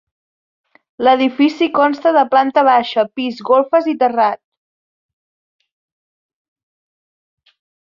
L'edifici consta de planta baixa, pis, golfes i terrat.